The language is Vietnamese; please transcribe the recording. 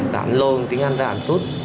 rồi ổng lôi một tiếng anh ra ổng sút